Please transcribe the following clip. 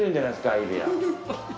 アイデア。